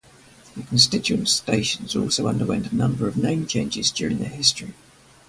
The constituent stations also underwent a number of name changes during their history.